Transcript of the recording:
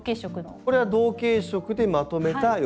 これは同系色でまとめた寄せ植え。